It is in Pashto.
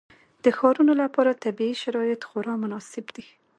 د ښارونو لپاره طبیعي شرایط خورا مناسب دي.